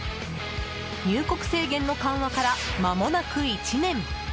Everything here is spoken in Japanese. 入国制限の緩和からまもなく１年。